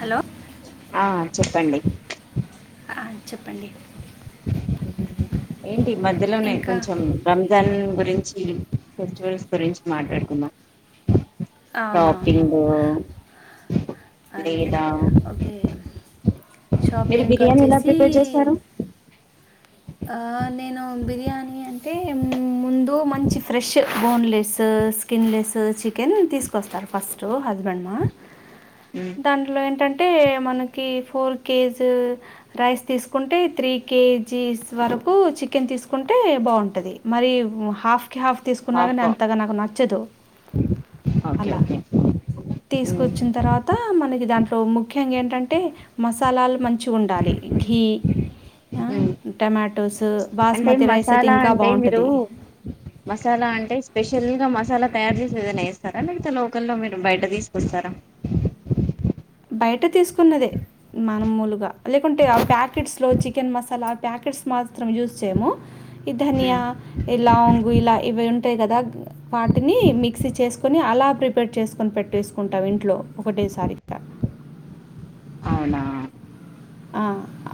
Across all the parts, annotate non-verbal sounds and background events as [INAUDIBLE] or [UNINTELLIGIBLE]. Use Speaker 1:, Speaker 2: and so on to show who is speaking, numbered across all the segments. Speaker 1: Hello
Speaker 2: ఆ చెప్పండి
Speaker 1: ఆ చెప్పండి
Speaker 2: ఏంటి మధ్యలోనే
Speaker 1: ఇంకా
Speaker 2: కొంచెం రంజాన్ గురించ్ చీన్ ఫెస్టివల్స్ గురించి మాట్లాడుకుందాం షాపింగ్
Speaker 1: అంతే
Speaker 2: లేదా
Speaker 1: ఓకే
Speaker 2: మీరు
Speaker 1: షాపింగ్కి
Speaker 2: బిర్యానీ ఎలా
Speaker 1: వచ్చేసి
Speaker 2: ప్రిపేర్ చేస్తారు
Speaker 1: ఆ నేను బిర్యానీ అంటే ముందు మంచి fresh boneless skin less chicken తీసుకొస్తారు ఫస్ట్ హస్బెండ్ మా
Speaker 2: మ్మ్.
Speaker 1: దాంట్లో ఎంటంటే మనకి ఫోర్ కేజ్ రైస్ తీసుకుంటే త్రీ కేజీస్ వరకు చికెన్ తీసుకుంటే బాగుంటది మరి హఫ్ కి హాఫ్ తీసుకున్నా
Speaker 2: హాఫ్
Speaker 1: గాని అంతగా నాకు నచ్చదు
Speaker 2: ఓకే
Speaker 1: అలా
Speaker 2: ఓకే మ్మ్.
Speaker 1: తీసుకొచ్చిన తర్వాత మనకి దాంట్లో ముఖ్యంగా ఏంటంటే మసాలాలు మంచి గుండాలి ఘీ ఆ,
Speaker 2: ఉ
Speaker 1: టమాటోస్
Speaker 2: అంటే
Speaker 1: బాస్మతి రైస్ అయితే
Speaker 2: మసాలా
Speaker 1: ఇంకా
Speaker 2: అంటే మీరు
Speaker 1: బాగుంటుంది
Speaker 2: మసాలా అంటే స్పెషల్ గా మసాలా క్ తయారు చేసి ఏదన్న చేస్తారా లేకపోతే లోకల్లో మీరు బయట తీసుకొస్తారా
Speaker 1: బయట తీసుకున్నదే మామూలుగా లేకుంటే ఆ ప్యాకెట్స్ లో చికెన్ మసాలా ఆ ప్యాకెట్స్ మాత్రం యూజ్ చేయము ఈ ధన్య
Speaker 2: మ్మ్.
Speaker 1: ఈ లవంగు ఇలా ఇవి ఉ ఉంటాయి కదా వాటిని మిక్సీ చేసుకుని అలా ప్రిపేర్ చేసుకొని పెట్టేసుకుంటాం ఇంట్లో ఒకటేసారి
Speaker 2: అవునా
Speaker 1: ఆ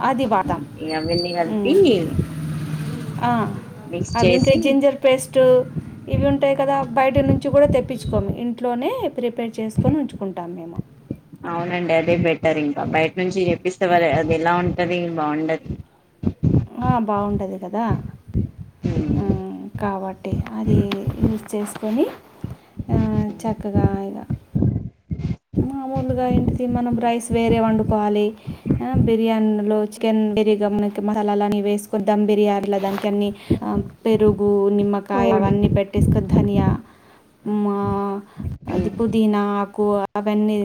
Speaker 1: అది
Speaker 2: అవును.
Speaker 1: వాడ్తాం
Speaker 2: ఇక అవన్నీ కలిపి
Speaker 1: హ్మ్
Speaker 2: మిక్స్
Speaker 1: అవి ఇంకా
Speaker 2: చేసి
Speaker 1: జింజర్ పేస్ట్ ఇవి ఉంటాయి కదా బయట నుంచి కూడా తెప్పిచ్చు కోం ఇంట్లోనే ప్రిపేర్ చేసుకొని ఉంచుకుంటాం మేము
Speaker 2: అవునండి అదే బెటర్ ఇంకా బయట నుంచి తెప్పిస్తే వాల్ అది ఎలా ఉంటది బావుండది
Speaker 1: అదేకదా హ్మ్ కాబట్ ట్టి అది యూజ్ చేసుకొని ఆ చక్కగా ఇగ మామూలుగా ఏంటిది మనం రైస్ వేరే వండుకోవాలి బిర్యానీ లలో చికెన్ బిర్యాని ఆకు మసాలలని వేసుకొని దమ్ బిర్యానిల దాన్ కన్ని ఆ పెరుగు నిమ్మకాయ్
Speaker 2: అవును
Speaker 1: అవన్ని పెట్టెసుకొని ధన్య మా అది
Speaker 2: హ్మ్.
Speaker 1: పుదీనాకు అవన్నీ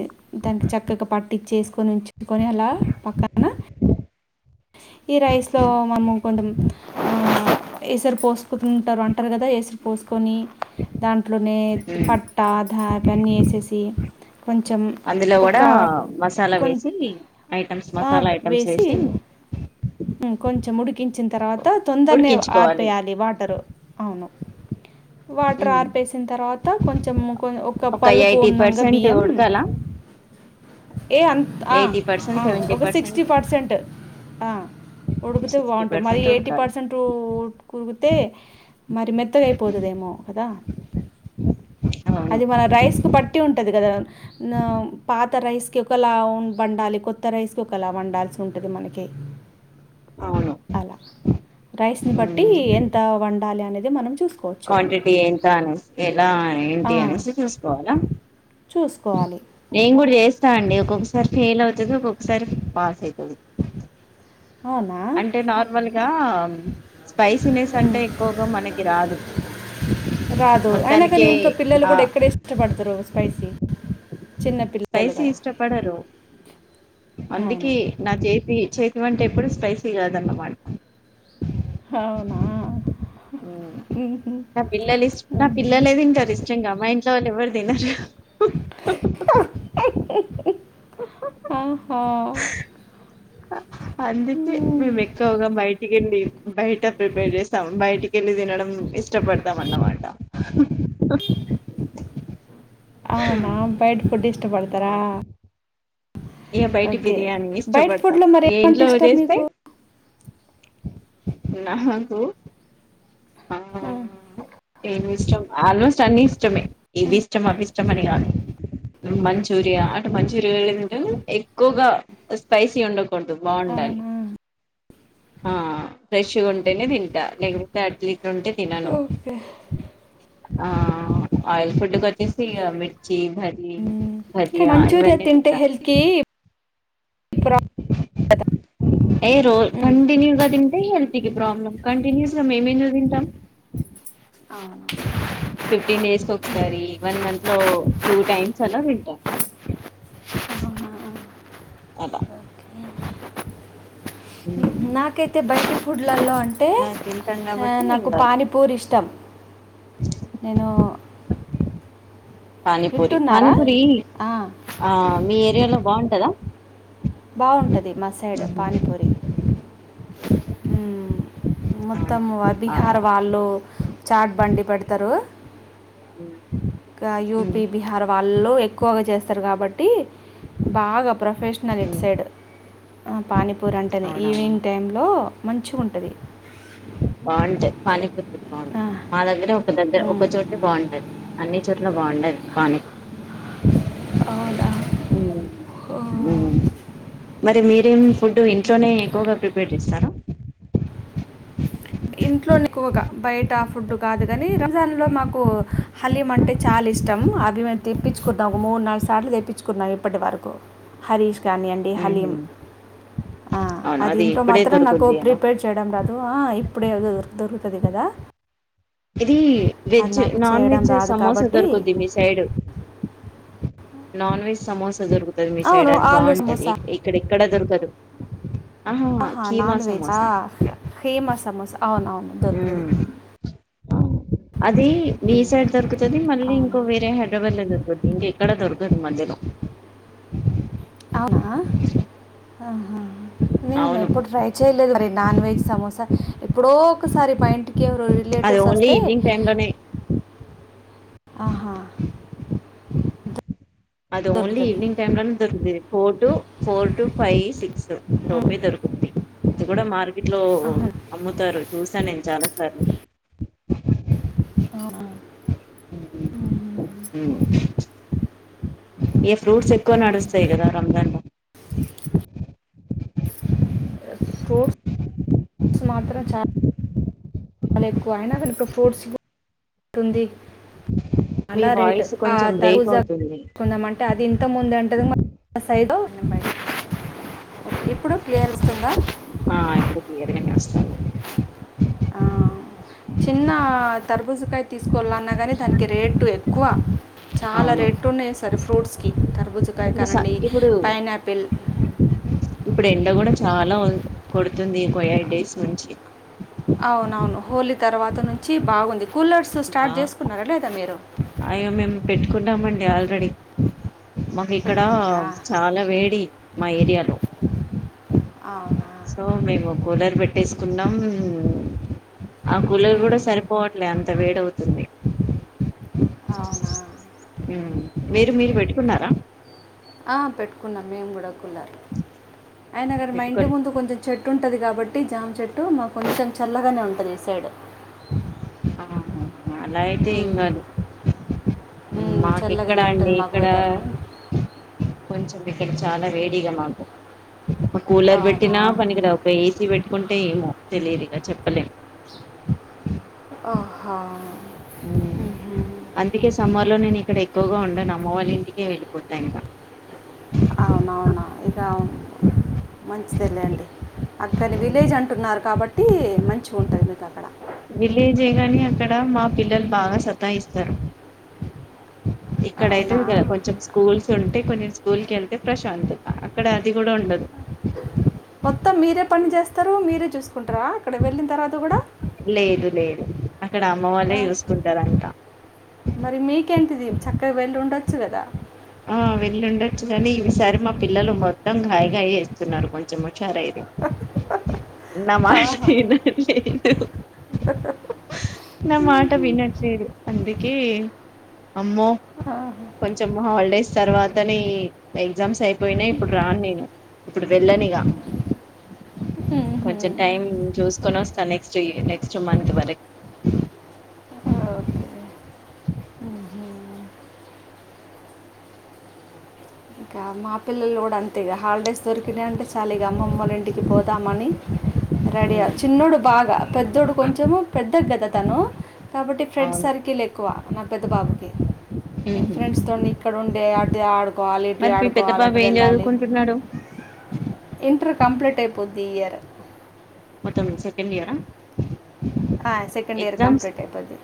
Speaker 1: దాన్కి చక్కగా పట్టిచ్చేసుకొని ఉంచుకొని అలా పక్కన ఈ రైస్ లో మనము కొంచెం ఆ ఏసరు పోసుకుంటరంటారు గదా ఏసరు పోసుకొని దాంట్లోనే
Speaker 2: హ్మ్.
Speaker 1: పత్త దాగన్ అవన్నీ ఎసేసి కొంచెం
Speaker 2: అందులో గూడా
Speaker 1: ఒక
Speaker 2: మసాలా వేసి
Speaker 1: కొంచెం
Speaker 2: ఐటమ్స్ మసాలా ఐటమ్స్ వేసి
Speaker 1: ఇంకొంచెం ఉడికించిన్ తర్వాత్ తో తొందర్నే
Speaker 2: ఉడికించుకోవాలి
Speaker 1: ఆర్పేయాలి వాటరు అవును వాటర్
Speaker 2: హ్మ్.
Speaker 1: ఆర్పేసిన్ తర్వాత కొంచెం ఒక్ ఒక పలుకు
Speaker 2: ఎయిటీ
Speaker 1: ఉన్నంగ
Speaker 2: పర్సెంట్
Speaker 1: బియ్యం
Speaker 2: ఉడకాల
Speaker 1: ఏ అంత్ అ
Speaker 2: ఎయిటీ
Speaker 1: ఆ
Speaker 2: పర్సెంట్ సెవెంటీ
Speaker 1: ఒక సిక్స్టీ పర్సెంట్ ఆ ఉడుకితే
Speaker 2: సిక్స్టీ
Speaker 1: బాగుంటద్ మరి
Speaker 2: పర్సెంట్
Speaker 1: ఎయిటీ
Speaker 2: ఉడకాలి
Speaker 1: పర్సెంట్ [UNINTELLIGIBLE] మరి మెత్తగా అయిపోదు అదేమో కదా
Speaker 2: అవును
Speaker 1: అది మన రైస్ కు బట్టి ఉంటది గదా నా పా త రైస్కి ఒకలాగ్ వండాలి కొత్త రైస్కి ఒకలా వండాల్సి ఉంటది మనకి
Speaker 2: అవును
Speaker 1: అలా రైస్ని బట్టి
Speaker 2: హ్మ్.
Speaker 1: ఎంత వండాలి అనేది మనం చూసుకోవచ్చు
Speaker 2: క్వాంటిటీ ఎంత అనేస్ ఎలా
Speaker 1: ఆ,
Speaker 2: ఏంటి అనేసి చూసుకోవాలా
Speaker 1: చూసుకోవాలి
Speaker 2: నేన్ కూడా చేస్తా అండి ఒక్కొక్కసారి ఫెయిల్ అవుతది ఒక్కొక్కసారి పాస్ అయితది
Speaker 1: అవునా
Speaker 2: అంటే నార్మల్గా స్పైసీనెస్ అంటే ఎక్కువగా మనకి రాదు
Speaker 1: రాదు అయినా కానీ
Speaker 2: మొత్తానికి
Speaker 1: ఇంట్లో పిల్లలు
Speaker 2: ఆ
Speaker 1: కూడా ఎక్కడ ఇష్టపడుతరు స్పైసీ చిన్న పిల్లలు
Speaker 2: స్పైసీ
Speaker 1: కదా
Speaker 2: ఇష్టపడరు
Speaker 1: అవును
Speaker 2: అందుకే నా చేతి చేతి వంట ఎప్పుడు స్పైసీ కాదన్నమాట
Speaker 1: హవునా
Speaker 2: హుమ్ నా పిల్లలు ఇష్ నా పిల్లలేదింటారు ఇష్టంగా మా ఇం ట్లో వాళ్ళు ఎవ్వరు తినరు
Speaker 1: ఆహా
Speaker 2: అందుకే మేము ఎక్కువగా బయటికి వెళ్ళి బయట ప్రిపేర్ చేస్ స్తాం బయటికెళ్ళి తినడం ఇష్టపడతాం అన్నమాట
Speaker 1: అవునా బైట ఫుడ్ ఇష్టపడతరా
Speaker 2: అవును ఇక బయటి బిర్యానీ ఇష్టపడతాం
Speaker 1: ఫుడ్లో మరి
Speaker 2: ఏ
Speaker 1: ఏమంటే
Speaker 2: ఇంట్లో
Speaker 1: ఇష్టం
Speaker 2: చేస్తే
Speaker 1: మీకు
Speaker 2: నాకు
Speaker 1: ఆ
Speaker 2: ఏం ఇష్టం? ఆల్మోస్ట్ అన్ని ఇష్టమే. ఇది
Speaker 1: మ్మ్.
Speaker 2: ఇష్టం, అవిష్టం అని కాదు. మంచూరియా. అంటే, మంచూరియా వేడిగా తింటాను. ఎక్కువగా స్పైసి ఉండ కూడదు. బాండలి
Speaker 1: అవునా
Speaker 2: ఆ ఫ్రెష్గా ఉంటేనే తింటా. లేకపోతే అట్లెట్లుంటే తినను.
Speaker 1: ఓకే
Speaker 2: ఆ అయిల్ ఫుడ్ కొచ్చేసి, ఇగ మిర్చి భజీ
Speaker 1: మ్మ్.
Speaker 2: భజియ
Speaker 1: కానీ మంచూరియా
Speaker 2: ఇవన్నీ
Speaker 1: తింటే
Speaker 2: తింటా.
Speaker 1: హెల్త్కి
Speaker 2: ఏ రో
Speaker 1: ప్రాబ్లం
Speaker 2: కంటిన్యూ గ తింటే, హెల్ త్కి ప్రాబ్లం. కంటిన్యూస్ గా మేమెందుకు తింటాం?
Speaker 1: అవును.
Speaker 2: ఫిఫ్టీన్ డేస్ కొకసారి, వన్ మంత్ లో టూ టైమ్స్ అలా తింటాం. [INAUDIBLE] అలా.
Speaker 1: నాకైయితే బయట ఫుడ్లలో అంటే,
Speaker 2: అలా తింటాం
Speaker 1: ఆ
Speaker 2: కాబట్టి ఏం
Speaker 1: నాకు
Speaker 2: కాదు
Speaker 1: పానీపూరి ఇష్టం. నేను
Speaker 2: పానీపూరి.
Speaker 1: వింటున్నారా
Speaker 2: పానీపూరి,
Speaker 1: ఆ,
Speaker 2: ఆ మీ ఏరియాలో బాగుంటదా?
Speaker 1: బాగుంటది మా సైడ్ పానీపూరి. మ్ మొత్తం ఆ బీహార్ వాళ్ళు చాట్ బండి పెడతారు. ఇంకా యూపి, బీహార్ వాళ్ళు ఎక్కువగా చేస్తారు కాబట్టి, బాగ ప్రొఫెషనల్ ఇటు సైడ్ ఆ పానీపూరి అంటేనే,
Speaker 2: అవునవును
Speaker 1: ఈవినింగ్ టైంలో మంచిగుంటది.
Speaker 2: బాంటయ్. పానీపూరిలు బాంటయ్. మా దగ్గర ఒక దగ్గర ఒక చోటే బాంటది. అన్ని చోట్ల బాగుండది పానిపూరి.
Speaker 1: అవునా ఓ
Speaker 2: మ్మ్ మరి మీరేం ఫుడ్ ఇంట్లోనే ఎక్కువగా ప్రిపేర్ చేస్తార?
Speaker 1: ఇంట్లో నె ఎక్కువగా బయట ఫుడ్ కాదు. కాని, రంజాన్ లో మాకు హలీమ్ అంటే, చాల ఇష్ ష్టం అది మేం తెప్పించుకుంటాం. ఒక మూడు నాలుగు సార్లు తెప్పించుకున్నాం ఇప్పటి వరకు. హరీష్ కానీయండి హలీం
Speaker 2: మ్మ్
Speaker 1: ఆ
Speaker 2: అవును
Speaker 1: అది ఇంట్లో
Speaker 2: ఇప్పుడే
Speaker 1: మాత్రం నాకు
Speaker 2: దొరుకుద్ది కదా
Speaker 1: ప్రిపేర్ చేయడం రాదు. ఆ ఇప్పుడే అది దొరుక్ దొరుకుతది కదా!
Speaker 2: ఇది
Speaker 1: అది
Speaker 2: వెజ్.
Speaker 1: నాకు
Speaker 2: నాన్
Speaker 1: చేయడం
Speaker 2: వెజ్
Speaker 1: రాదు
Speaker 2: సమోసా
Speaker 1: కాబట్టి
Speaker 2: దొరుకుద్ది మీ సైడ్. నాన్ వెజ్ సమోసా దొరుకుతది మీ సైడ్
Speaker 1: అవును
Speaker 2: అది
Speaker 1: ఆలు
Speaker 2: బాంటది.
Speaker 1: సమోసా
Speaker 2: ఎక్ ఎక్కడ ఎక్కడ దొరకదు. ఆ హ
Speaker 1: ఆహా
Speaker 2: కీమా
Speaker 1: నాన్ వెజ్
Speaker 2: సమోసా.
Speaker 1: ఔను దొరుకుతది.
Speaker 2: ఉమ్ అది మీ సైడ్ దొరుకుతుది. మళ్ళీ ఇంకో
Speaker 1: అవును
Speaker 2: వేరే హైదరాబాద్ లో దొరుకుత ఇంక ఎక్కడ దొరకదు మధ్యలో.
Speaker 1: అవునా అ
Speaker 2: [UNINTELLIGIBLE]
Speaker 1: నేన్ ఎప్పుడు ట్రై చేయలేదు, నాన్ వెజ్ సమోసా ఎప్పుడో ఒకసారి మా ఇంటికి ఎవరో రిలేటివ్
Speaker 2: అది ఓన్లీ ఈవేనింగ్ టైమ్ లోనే
Speaker 1: ఆహా
Speaker 2: అది ఓన్లీ
Speaker 1: దొరుకుతుంది
Speaker 2: ఈవేనింగ్ టై లోనే దొరుకుతది. Four to, four to, five six. లోపే దొరుకుద్ది, ఇది కూడా మార్కెట్ లో అమ్ముతారు, చూసా నేను చాల సా సరే.
Speaker 1: అవునా మ్మ్.
Speaker 2: మ్ గిఫ్ ఫ్రూట్స్ ఎక్కువ
Speaker 1: ఓకే.
Speaker 2: నడుస్తాయి కదా రంజాన్
Speaker 1: ఫ్రూట్ మాత్రం చా లా ఎక్కువ. అయినాగాని ఇక్కడ ఫ్రూట్స్ తుంది
Speaker 2: మీ
Speaker 1: అలా రేట్.
Speaker 2: వాయిస్
Speaker 1: ఆ
Speaker 2: కొంచెం
Speaker 1: తరుగు
Speaker 2: బ్రేక్
Speaker 1: జా
Speaker 2: అవుతుంది
Speaker 1: కుందాం అంటే అది ఇంత ముందు అంటరు మ సైడు ఇప్పుడు క్లియర్ వస్తుందా,
Speaker 2: ఆ ఇప్పుడు
Speaker 1: ఆ,
Speaker 2: [UNINTELLIGIBLE]
Speaker 1: చిన్న కార్బుజా కాయ తీసుకోవాలన్నా కానీ దానికి రేటు ఎక్కువ చాలా
Speaker 2: అవును
Speaker 1: రేట్ ఉన్నాయి, ఈ సారి ఫ్రూట్స్ కి కార్బుజా
Speaker 2: ఇప్పుడు
Speaker 1: కాయ
Speaker 2: స ఇప్పుడు
Speaker 1: పైనాపిల్
Speaker 2: ఇప్పుడు ఎండ కూడా చాలా కోడుతుంది, ఓ ఎయిట్ డేస్ నుంచి
Speaker 1: అవునవును హోలీ తర్వాత నుంచి బాగుంది. కూలర్స్ స్టార్ట్
Speaker 2: బా
Speaker 1: చేసుకున్నారా, లేదా మీరు
Speaker 2: అయ్యో మేము పెట్టుకున్నామండి ఆల్రెడీ మాకు ఇక్కడ
Speaker 1: పెట్టుకున్నారా
Speaker 2: చాలా వేడి మా ఏరియాలో
Speaker 1: అవునా
Speaker 2: సో మేము కూలర్ పెట్టేసుకున్నాం ఆ కూలర్
Speaker 1: ఉమ్,
Speaker 2: కూడా సరిపోవట్లేదు అంత వేడిగా ఉంది
Speaker 1: అవునా
Speaker 2: మీరు
Speaker 1: ఓకే
Speaker 2: పెట్టుకున్నారా
Speaker 1: ఆ పెట్టుకున్నాం, మేము కూడా కూలర్ అయినా గానీ మా ఇంటి
Speaker 2: పెట్టుకోరు
Speaker 1: ముందు కొంచెం చెట్టు, ఉంటది కాబట్టి జామ్ చెట్టు మాకు కొంచెం చల్లగానే ఉంటది ఈ సైడ్
Speaker 2: ఆ అలాగయితే
Speaker 1: ఉమ్,
Speaker 2: ఎంకాదు
Speaker 1: ఉమ్,
Speaker 2: మాకు ఎక్కడా
Speaker 1: చల్లగానే
Speaker 2: అండి
Speaker 1: ఉంటుంది మాకు
Speaker 2: ఇక్కడ
Speaker 1: వెదర్
Speaker 2: కొంచెం ఇక్కడ చాలా వేడిగా మాకు కూలర్
Speaker 1: అవునా
Speaker 2: పెట్టినా పనికిరాదు ఒక ఏసీ పెట్టు కుంటే ఏమో తెలియదు ఇగా చెప్పలేము
Speaker 1: ఓ హో
Speaker 2: మ్మ్ అందుకే సమ్మర్ లో నేను ఇక్కడ ఎక్కువ గా ఉండను అమ్మ వాళ్ళ ఇంటికె వెళ్లిపోతా ఇగ
Speaker 1: అవునవునా ఇక మంచిదే లెండి అక్కడ విలేజ్ అంటున్నారు కాబట్టి మంచిగా ఉంటది. మీకు అక్కడ
Speaker 2: విలేజే కానీ అక్కడ మా పిల్లలు బాగా సతాయిస్తారు.
Speaker 1: అవునా
Speaker 2: ఇక్కడైతే కొంచెం స్కూల్స్ ఉంటే కొంచెం స్కూల్కి వెళ్తే ప్రశాంతం అక్కడ అది కూడా ఉండదు.
Speaker 1: మొత్తం మీరే పని చేస్తారా మీరే చూసుకుంటారా అక్కడ వెళ్ళి
Speaker 2: లేదు లేదు అక్కడ అమ్మ
Speaker 1: ఆ,
Speaker 2: వాళ్ళే చూసుకుంటారు అంత
Speaker 1: మరి మీకేంటిది చక్కగా వెళ్ళి ఉండొచ్చు గదా
Speaker 2: ఆ వెళ్ళుండొచ్చు, కానీ ఈసారి మా పిల్లలు మొత్తం గాయగాయ్ చేస్తున్నారు కొంచెం హుషారు అయినారు నా మాట వినట్లేదు, నా మాట వినట్లేదు అందుకే అమ్మో కొంచం డేస్ తరువాతనే ఎగ్జామ్స్ అయిపో యినవి ఇప్పుడు రాను నేను ఇప్పుడు వెళ్లను ఇగా కొంచెం టైం చూసుకొని వస్తా నెక్స్ట్ ఈ నెక్స్ట్ మంత్ వరకి
Speaker 1: ఓకే మ్ మ్మ్ హ్హ్ ఇంకా మా పిల్లలు కూడా అంతేగా హాలిడేస్ దొరికినాయి అంటే చాలీగా అమ్మమ్మో లా ఇంటికి పోదామని రెడీ అవు చిన్నోడు బాగా పెద్దోడు కొంచము పెద్ద కదా తను కాబట్టి ఫ్రెండ్స్
Speaker 2: అవును
Speaker 1: సర్కిల్ ఎక్కువ నా పెద్ద బాబుకి
Speaker 2: ఉహు.
Speaker 1: ఫ్రెండ్స్ తోని ఇక్కడ ఉండే ఆ డుకోవాలి ఇటు
Speaker 2: మరి మీ పెద్ద
Speaker 1: ఆడుకోవాలి
Speaker 2: బాబు
Speaker 1: అటు
Speaker 2: ఏం
Speaker 1: వెళ్లాలి
Speaker 2: చదువుకుంటున్నాడు
Speaker 1: ఇంటర్ కంప్లీట్ అయిపో ఈ ఇయరు
Speaker 2: అతను సెకెండ్ ఇయరా
Speaker 1: ఆ సెకండ్ ఇయర్
Speaker 2: ఎగ్జామ్స్
Speaker 1: కంప్లీట్ అయిపోద్ది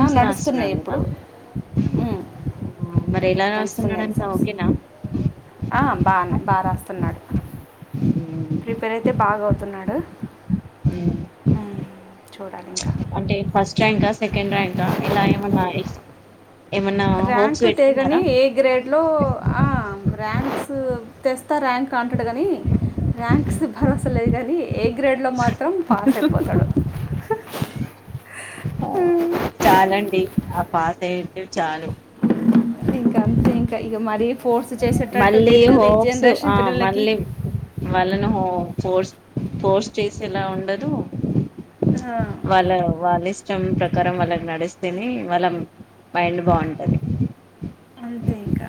Speaker 1: ఆ, నడుస్తున్నాయి
Speaker 2: రాస్తున్నాడు కదా
Speaker 1: ఇప్పుడు ఉమ్,
Speaker 2: మ్ మరి ఎలా
Speaker 1: ఇప్పుడు
Speaker 2: రాస్తున్నాడు అంటా ఓకేనా
Speaker 1: ఆ బాగానే బాగా రాస్తున్నాడు
Speaker 2: ఉమ్,
Speaker 1: ప్రిపేర్ అయితే బాగా అవుతున్నాడు
Speaker 2: ఉమ్.
Speaker 1: ఉమ్
Speaker 2: అంటే ఫస్ట్ ర్యాంకా సెకండ్ ర్యాంకా ఇలా ఏమన్నా ఏమన్నా హోప్స్
Speaker 1: ర్యాంకు తెేగని
Speaker 2: పెట్టుకున్నారా
Speaker 1: ఏ గ్రేడ్ లో ఆ ర్యాంక్స్ తెస్తా ర్యాంక్ అంటాడు కానీ ర్యాంక్స్ భరోసా లేదు గానీ ఏ గ్రేడ్లో మాత్రం పాస్ అయిపోతాడు
Speaker 2: ఆ చాలండి ఆ పాస్ అయితే చాలు
Speaker 1: ఇంకా అంతే ఇంకా ఇగ మరీ ఫోర్స్ చేసేటట్టు
Speaker 2: మళ్ళీ
Speaker 1: లేదు కదా ఈ జనరేషన్ పిల్లలకి
Speaker 2: వాళ్లను ఫోర్స్ ఫోర్స్ చేసేలా ఉండదు
Speaker 1: ఆ,
Speaker 2: వాళ్ల వాళ్ల ఇ ష్టం ప్రకారం వాళ్లకి నడిస్తేనే వాళ్ల మైండ్ బావుంటది
Speaker 1: అంతే ఇంకా